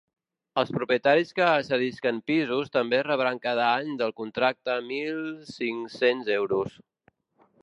Els propietaris que cedisquen pisos també rebran cada any del contracte mil cinc-cents euros.